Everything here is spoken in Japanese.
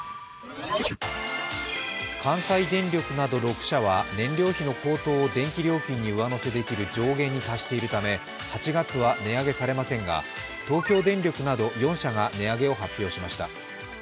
関西電力など６社は燃料費の高騰を電気料金に上乗せする上限に達しているため、８月は値上げされませんが東京電力など４社が値上げを発表しました。